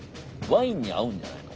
ワインに合うんじゃないの？